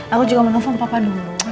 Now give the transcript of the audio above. aku juga mau nelfon papa dulu